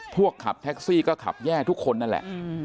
ขับแท็กซี่ก็ขับแย่ทุกคนนั่นแหละ